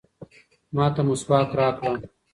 ما ته مسواک راکړه.